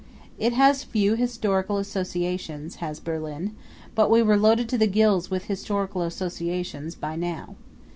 It has few historical associations, has Berlin, but we were loaded to the gills with historical associations by now.